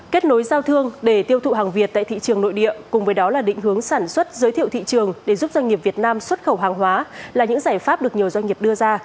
kết nối giao thương để tiêu thụ hàng việt tại thị trường nội địa cùng với đó là định hướng sản xuất giới thiệu thị trường để giúp doanh nghiệp việt nam xuất khẩu hàng hóa là những giải pháp được nhiều doanh nghiệp đưa ra